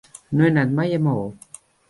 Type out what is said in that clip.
No he anat mai a Maó.